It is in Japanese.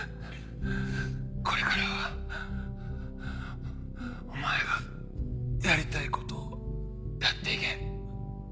これからはお前がやりたいことをやって行け。